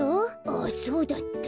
あっそうだった。